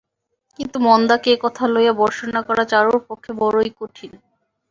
কিন্তু মন্দাকে এ কথা লইয়া ভর্ৎসনা করা চারুর পক্ষে বড়ো কঠিন।